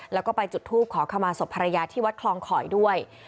แล้วก็ไปจุดทูปขอขมาศพภรรยาที่วัดคลองข่อยด้วย